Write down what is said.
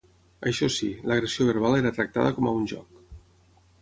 Això sí, l'agressió verbal era tractada com a un joc.